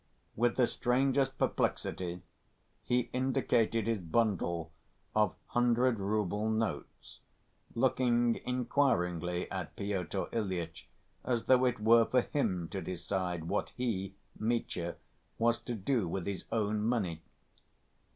With the strangest perplexity he indicated his bundle of hundred‐rouble notes, looking inquiringly at Pyotr Ilyitch as though it were for him to decide what he, Mitya, was to do with his own money.